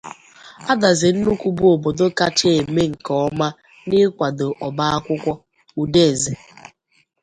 Adaz-Nnukwu Bụ Obodo Kacha Eme Nke Ọma n'Ịkwàdò Ọba Akwụkwọ —Udeze